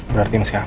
berarti masih aman